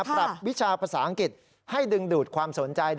วิชาภาษาอังกฤษให้ดึงดูดความสนใจ